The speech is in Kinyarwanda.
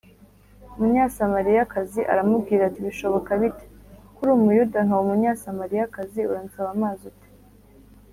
, “Umunyasamariyakazi aramubwira ati: ” Bishoboka bite,... Ko uri Umuyuda nkaba Umunyasamariyakazi, uransaba amazi ute?”